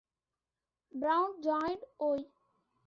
Brown joined Oi!